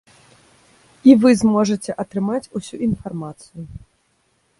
І вы зможаце атрымаць усю інфармацыю.